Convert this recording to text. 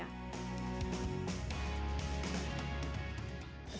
tahun ini yusuf dan fauzan berencana untuk menambahkan jumlah produksi aparel mereka